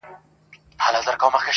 o خر په اته، کوټى ئې په شپېته٫